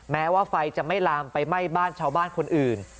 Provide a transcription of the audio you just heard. แม้ว่าไฟจะไม่ลามไปไหม้บ้านชาวบ้านคนอื่น